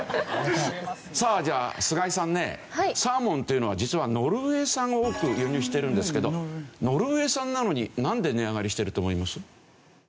さあじゃあ菅井さんねサーモンというのは実はノルウェー産を多く輸入してるんですけどノルウェー産なのになんで値上がりしてると思います？